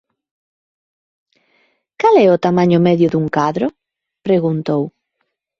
“Cal é o tamaño medio dun cadro?”, preguntou.